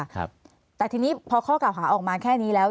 ค่ะแต่ทีนี้พอข้อกระหว่างออกมาแค่นี้แล้ว